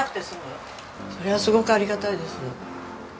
それはすごくありがたいです。